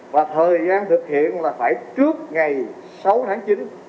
và thời gian thực hiện là phải trước ngày sáu tháng chín